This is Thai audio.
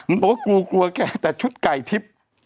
มันบอกว่ากูกลัวแกแต่ชุดไก่ทิพย์